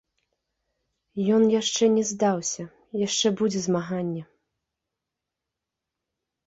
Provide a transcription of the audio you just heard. Ён яшчэ не здаўся, яшчэ будзе змаганне.